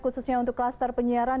khususnya untuk klaster penyiaran